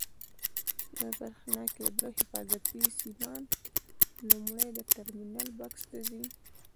د برېښنا کېبل او حفاظتي سیمان لومړی د ټرمینل بکس ته ځي.